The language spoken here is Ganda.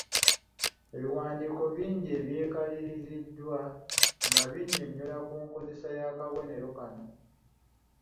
Ebiwandiiko bingi ebyekaliriziddwa nga binnyonnyola ku nkozesa y’akabonero kano.